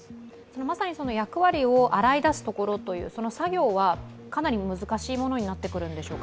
まさに役割を洗い出すというその作業は、かなり難しいものになってくるのでしょうか？